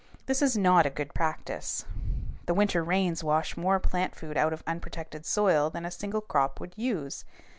This is not a good practice. The winter rains wash more plant food out of unprotected soil than a single crop would use.